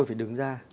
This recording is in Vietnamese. tôi phải đứng ra